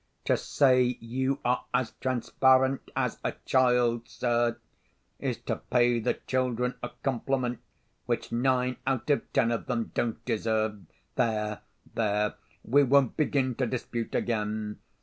To say you are as transparent as a child, sir, is to pay the children a compliment which nine out of ten of them don't deserve. There! there! we won't begin to dispute again.